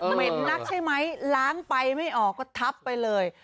เหม็นนักใช่ไหมล้างไปไม่ออกก็ทับไปเลย